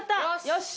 よし！